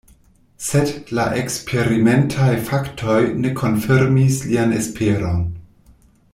Sed la eksperimentaj faktoj ne konfirmis lian esperon.